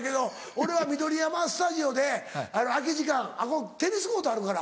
俺は緑山スタジオで空き時間あっこテニスコートあるから。